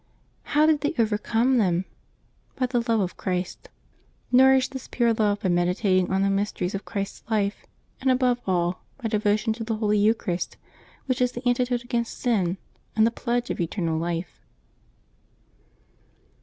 How did they over come them? By the love of Christ. Nourish this pure love by meditating on the mysteries of Christ's life; and, above all, by devotion to the Holy Eucharist, which is the antidote against sin and the pledge of eternal life.